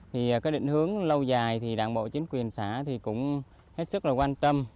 thì cái định hướng lâu dài thì đảng bộ chính quyền xã thì cũng hết sức là quan tâm